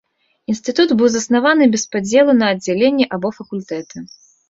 Інстытут быў заснаваны без падзелу на аддзяленні або факультэты.